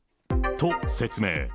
と、説明。